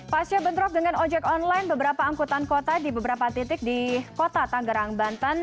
pasca bentrok dengan ojek online beberapa angkutan kota di beberapa titik di kota tanggerang banten